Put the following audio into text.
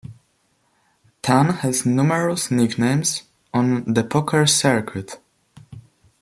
Tann has numerous nicknames on the poker circuit.